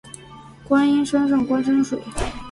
观音山上观山水